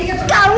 kau lewat banget